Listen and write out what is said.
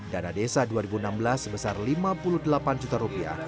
dana desa dua ribu enam belas sebesar lima puluh delapan juta rupiah